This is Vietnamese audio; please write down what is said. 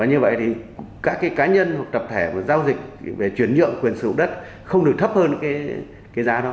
như vậy các cá nhân hoặc tập thể giao dịch về chuyển nhượng quyền sử dụng đất không được thấp hơn giá đó